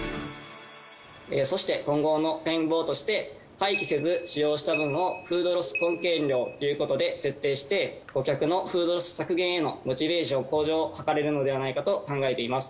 そして今後の展望として廃棄せず使用した分をフードロス貢献量ということで設定して顧客のフードロス削減へのモチベーション向上を図れるのではないかと考えています。